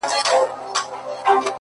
o د ژوندون ساه د ژوند وږمه ماته كړه،